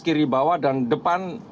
kiri bawah dan depan